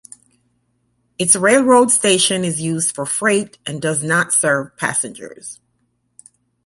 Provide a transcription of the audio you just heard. Its railroad station is used for freight and does not serve passengers.